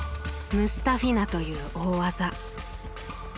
ムスタフィナという大技。